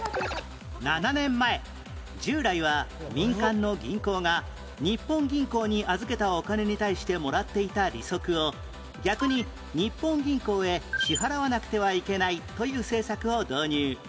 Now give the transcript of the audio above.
７年前従来は民間の銀行が日本銀行に預けたお金に対してもらっていた利息を逆に日本銀行へ支払わなくてはいけないという政策を導入